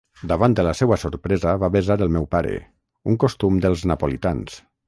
Davant de la seua sorpresa, va besar el meu pare, un costum dels napolitans.